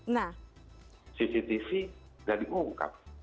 nah cctv enggak diungkap